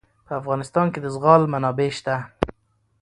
په افغانستان کې د زغال منابع شته.